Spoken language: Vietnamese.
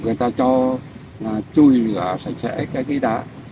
người ta cho chui lửa sẵn sẻ cái ghế đá